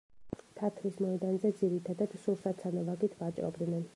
თათრის მოედანზე ძირითადად სურსათ-სანოვაგით ვაჭრობდნენ.